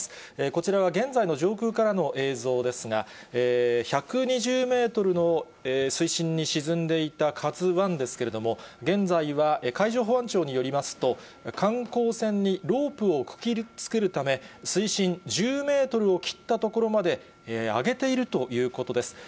こちらは現在の上空からの映像ですが、１２０メートルの水深に沈んでいたＫＡＺＵＩですけれども、現在は海上保安庁によりますと、観光船にロープをくくりつけるため、水深１０メートルを切った所まで揚げているということです。